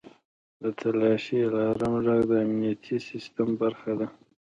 • د تالاشۍ الارم ږغ د امنیتي سیستم برخه ده.